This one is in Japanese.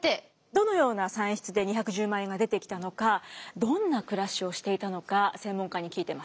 どのような算出で２１０万円が出てきたのかどんな暮らしをしていたのか専門家に聞いてます。